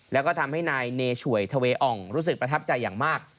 แล้วก็ทำให้นายเนช่วยทะเวอ่องรู้สึกประทับใจอย่างมาก